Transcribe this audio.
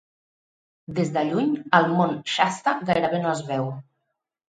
Des de lluny, el mont Shasta gairebé no es veu.